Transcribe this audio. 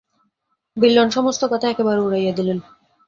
বিল্বন সমস্ত কথা একেবারে উড়াইয়া দিলেন।